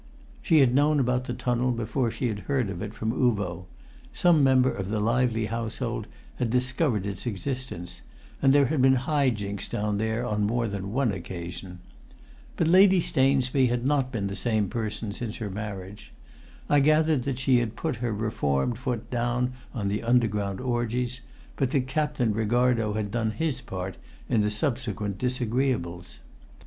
She had known about the tunnel before she had heard of it from Uvo; some member of the lively household had discovered its existence, and there had been high jinks down there on more than one occasion. But Lady Stainsby had not been the same person since her marriage. I gathered that she had put her reformed foot down on the underground orgies, but that Captain Ricardo had done his part in the subsequent disagreeables.